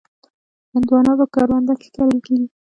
هندوانه په کرونده کې کرل کېږي.